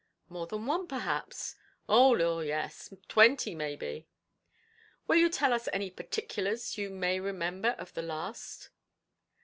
"More than one, perhaps?" "Oh, lor yes; twenty maybe." "Will you tell us any particulars you may remember of the last?"